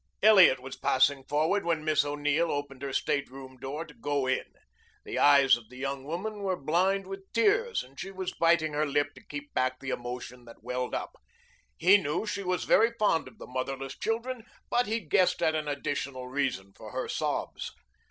Elliot was passing forward when Miss O'Neill opened her stateroom door to go in. The eyes of the young woman were blind with tears and she was biting her lip to keep back the emotion that welled up. He knew she was very fond of the motherless children, but he guessed at an additional reason for her sobs.